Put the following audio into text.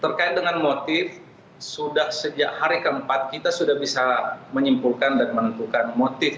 terkait dengan motif sudah sejak hari keempat kita sudah bisa menyimpulkan dan menentukan motif